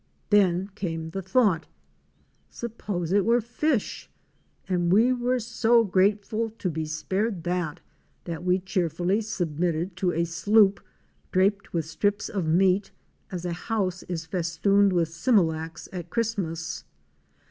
Then came the thought —suppose it were fish; and we were so grate ful to be spared that, that we cheerfully submitted to a sloop draped with strips of meat, as a house is festooned with smilax at Christmas.